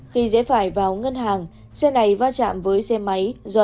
khi dễ phải vào ngân hàng xe này va chạm với xe máy do